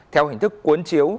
theo hình thức cuốn chiếu